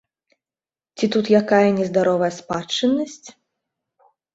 Ці тут якая нездаровая спадчыннасць?